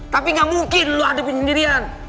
tapi gak mungkin lo hadepin sendirian